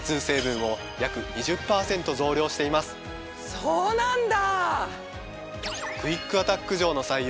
そうなんだ。